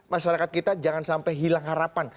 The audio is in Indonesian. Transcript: masyarakat kita jangan sampai hilang harapan